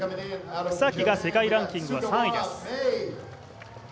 草木の世界ランキングは３位です。